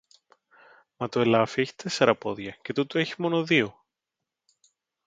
Μα το ελάφι έχει τέσσερα πόδια, και τούτο έχει μόνο δυο!